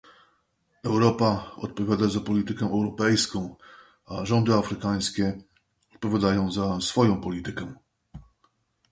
Europa odpowiada za politykę europejską, a rządy afrykańskie odpowiadają za swoją politykę